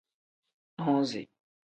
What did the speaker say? Nuzi.